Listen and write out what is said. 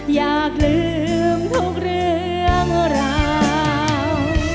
อยากลืมทุกเรื่องราว